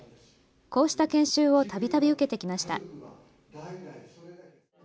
こうした研修を度々受けてきました。